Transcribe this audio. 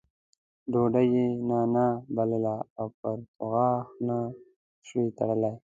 ډوډۍ یې نانا بلله او پرتوګاښ نه شوای تړلی.